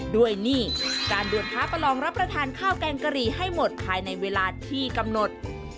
หนี้การด่วนท้าประลองรับประทานข้าวแกงกะหรี่ให้หมดภายในเวลาที่กำหนด